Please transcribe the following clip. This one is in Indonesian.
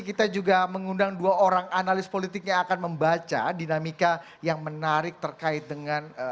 kita juga mengundang dua orang analis politik yang akan membaca dinamika yang menarik terkait dengan